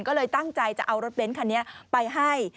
ก็เลยตั้งใจจะเอารถเบ้นคันนี้ไปให้